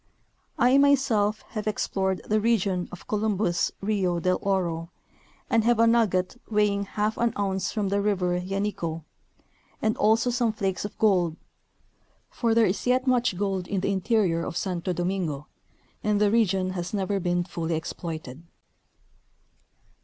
I myself have explored the region of Columbus' Rio del Oro and have a nugget weighing half an ounce from the river Yanico, and also some flakes of gold ; for there is j^et much gold in the interior of Santo Domingo and the region has never been fully exploited.